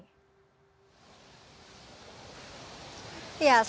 kementerian pertanian kementerian pertanian jakarta